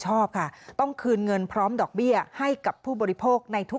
ชอบค่ะต้องคืนเงินพร้อมดอกเบี้ยให้กับผู้บริโภคในทุก